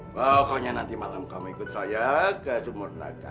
pokoknya nanti malam kamu ikut saya ke sumur naga